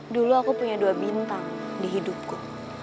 dulu aku punya dua bintang di hidupku